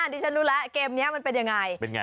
ดิฉันรู้แล้วเกมนี้มันเป็นยังไงเป็นไง